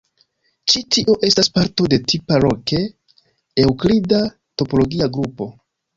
Ĉi-tio estas parto de tipa loke eŭklida topologia grupo.